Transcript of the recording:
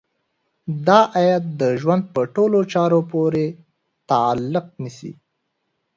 دا ايت د ژوند په ټولو چارو پورې تعلق نيسي.